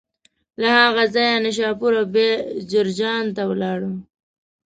له هغه ځایه نشاپور او بیا جرجان ته ولاړ.